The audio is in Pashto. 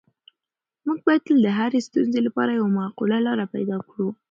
موږ باید تل د هرې ستونزې لپاره یوه معقوله لاره پیدا کړو.